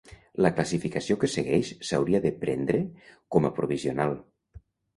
La classificació que segueix s'hauria de prendre com a provisional.